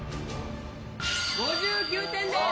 ５９点です！